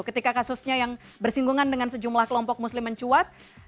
ketika kasusnya yang bersinggungan dengan sejumlah kelompok muslim mencuat